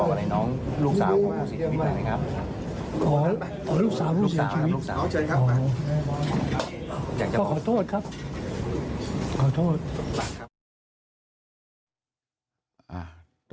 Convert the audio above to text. หลังจากนี้เข้าสู่ขั้นตอนนะคะคุณลุงแล้วแก้ปัญหานะครับ